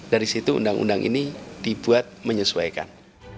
dari situ undang undang ini dibuat menyesuaikan